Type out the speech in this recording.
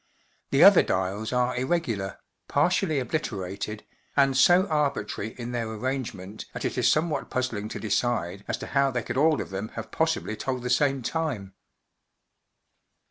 The other dials are irregular, partially obliterated, and so arbitrary in their arrangement that it is some¬ what puzzling to decide as to how they could all of them have possibly told the same time.